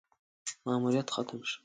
ماموریت ختم شو: